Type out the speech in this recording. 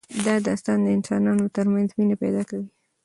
دا داستان د انسانانو ترمنځ مینه پیدا کوي.